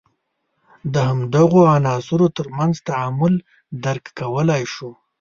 د همدغو عناصر تر منځ تعامل درک کولای شو.